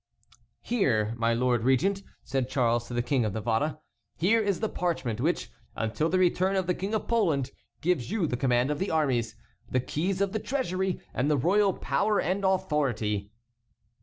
"Here, my Lord Regent," said Charles to the King of Navarre, "here is the parchment which, until the return of the King of Poland, gives you the command of the armies, the keys of the treasury, and the royal power and authority."